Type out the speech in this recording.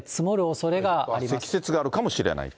積雪があるかもしれないと。